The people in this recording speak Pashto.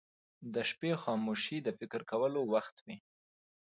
• د شپې خاموشي د فکر کولو وخت وي.